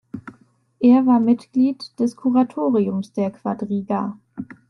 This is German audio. Er war Mitglied des Kuratoriums der Quadriga.